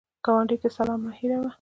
ګاونډي ته سلام مه هېروه